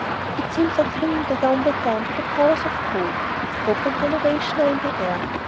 It seems like flinging the gauntlet down to the powers of cold. Hope and renovation are in the air.